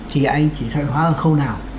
thì anh chỉ xã hội hóa ở khâu nào